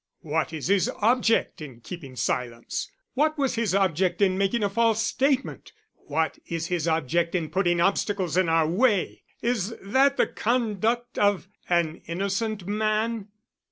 "What is his object in keeping silence? What was his object in making a false statement? What is his object in putting obstacles in our way? Is that the conduct of an innocent man?"